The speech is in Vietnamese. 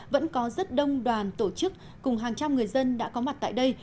vẫn có rất đông đoàn tổ chức cùng hàng trăm người dân đã có mặt tại đây